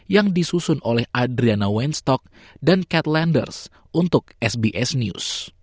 yang disusun oleh adriana weinstock dan catlenders untuk sbs news